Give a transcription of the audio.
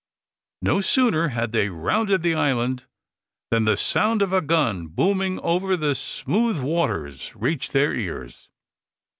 No sooner had they rounded the island than the sound of a gun, booming over the smooth waters, reached their ears.